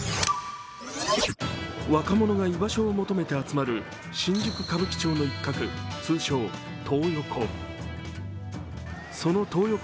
若者が居場所を求めて集まる新宿・歌舞伎町の一角、通称・トー横。